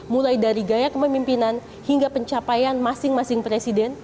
mulai dari gaya kepemimpinan hingga pencapaian masing masing presiden